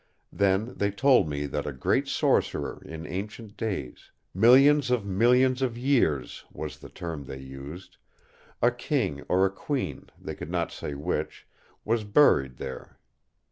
Then they told me that a great Sorcerer in ancient days—'millions of millions of years' was the term they used—a King or a Queen, they could not say which, was buried there.